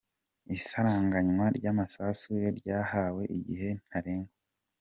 Isaranganywa ry’amasambu ryahawe igihe ntarengwa